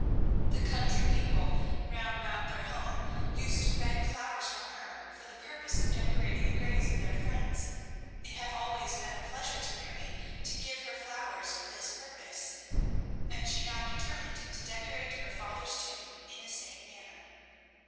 The country people round about their home used to beg flowers from her for the purpose of decorating the graves of their friends. It had always been a pleasure to Mary to give her flowers for this purpose, and she now determined to decorate her father's tomb in the same manner.